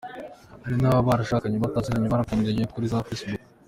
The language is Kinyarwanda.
Hari n’ababa barashakanye bataziranye barakundaniye kuri za Facebook.